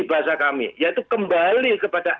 bahasa kami yaitu kembali kepada